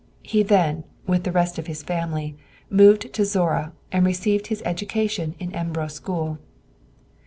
He then, with the rest of his family, moved to Zorra, and received his early education in Embro school.